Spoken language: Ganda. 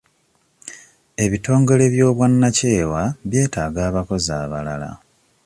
Ebitongole eby'obwannakyewa byetaaga abakozi abalala.